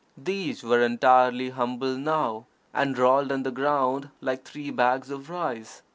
These were entirely humbled now, and rolled on the ground like three bags of rice!